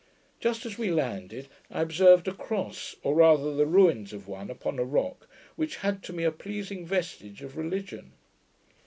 Just as we landed, I observed a cross, or rather the ruins of one, upon a rock, which had to me a pleasing vestige of religion.